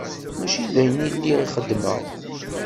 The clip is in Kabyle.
Mačči d ayen i lliɣ xeddmeɣ.